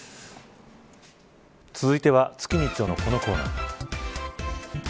続いては月に一度のこのコーナー。